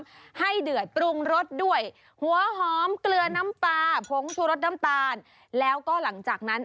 ให้เดือดปรุงรสด้วยหัวหอมเกลือน้ำตาผงชูรสน้ำตาลแล้วก็หลังจากนั้น